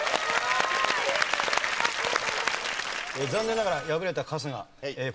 残念ながら敗れた春日。